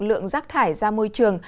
lượng rác thải ra môi trường